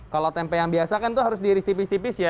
kalau tempe yang biasa kan itu harus diiris tipis tipis ya